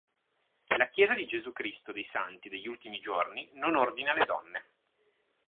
La Chiesa di Gesù Cristo dei Santi degli Ultimi Giorni non ordina le donne.